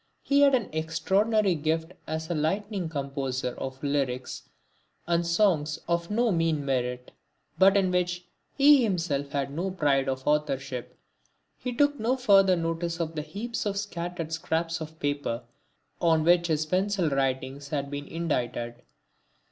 He had an extraordinary gift as a lightning composer of lyrics and songs of no mean merit, but in which he himself had no pride of authorship. He took no further notice of the heaps of scattered scraps of paper on which his pencil writings had been indited.